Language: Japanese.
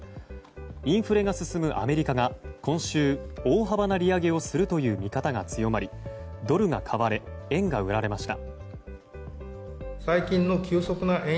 インフレが進むアメリカが今週大幅な利上げをするという見方が強まりドルが買われ円が売られました。